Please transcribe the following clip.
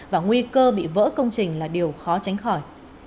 và nguy cơ bị vỡ công trình là điều khó tránh khỏi